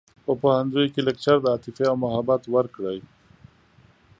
په پوهنځیوکې لکچر د عاطفې او محبت ورکړی